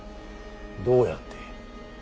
どうやって。